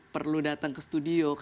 perlu datang ke studio